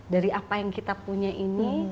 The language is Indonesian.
dari apa yang kita punya ini